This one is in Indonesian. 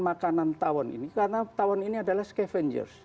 makanan tawon ini karena tawon ini adalah scavengers